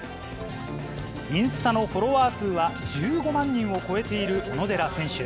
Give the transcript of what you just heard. インスタのフォロワー数は１５万人を超えている小野寺選手。